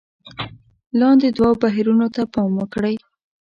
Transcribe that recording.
لاندې دوو بهیرونو ته پام وکړئ: